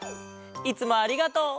いつもありがとう！